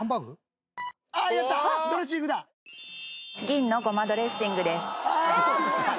銀の胡麻ドレッシングです。